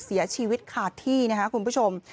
เสียชีวิตขาดที่นะครับคุณผู้ชม